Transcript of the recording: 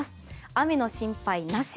雨の心配なし。